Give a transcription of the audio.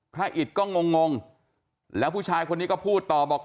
อิตก็งงแล้วผู้ชายคนนี้ก็พูดต่อบอก